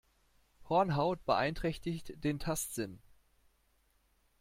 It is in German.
Hornhaut beeinträchtigt den Tastsinn.